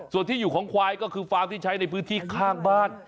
ส่วนที่อยู่ของควายก็คือฟาร์มที่ใช้ในพื้นที่ข้างบ้าน